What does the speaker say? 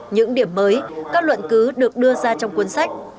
những điểm mới các luận cứ được đưa ra trong cuốn sách